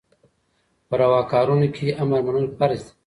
په رواکارونو کي يي امر منل فرض دي